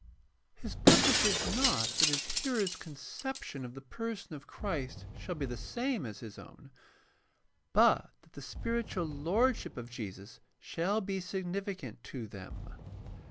His purpose is not that his hearers' conception of the person of Christ shall be the same as his own, but that the spiritual lordship of Jesus shall be sig nificant to them.